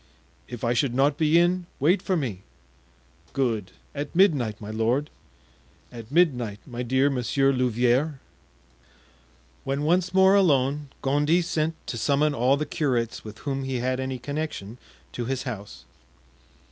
"If I should not be in, wait for me." "Good! at midnight, my lord." "At midnight, my dear Monsieur Louvieres." When once more alone Gondy sent to summon all the curates with whom he had any connection to his house.